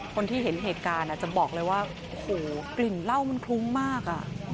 คนที่เห็นเหตุการณ์จะบอกเลยว่าโอ้โหกลิ่นเหล้ามันคลุ้งมากอ่ะ